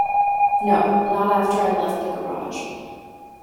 No, not after I left the garage.